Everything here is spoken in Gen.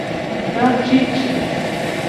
Do cici :